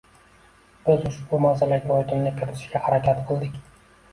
Biz ushbu masalaga oydinlik kiritishga harakat qildik.